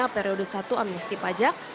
periode satu amnesti pajak